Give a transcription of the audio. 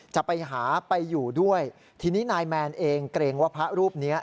จะไปหาไปอยู่ด้วยทีนี้นายแมนเองเกรงว่าพระรูปเนี้ย